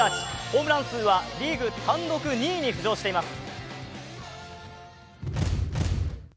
ホームラン数はリーグ単独２位に浮上しています。